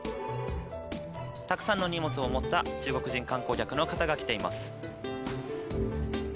たくさんの荷物を持った中国人観光客の方が来ています。